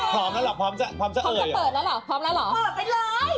พร้อมแล้วล่ะพร้อมจะพร้อมจะเปิดแล้วเหรอพร้อมแล้วเหรอเปิดไปเลย